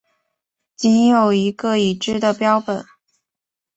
仅有一个已知的标本。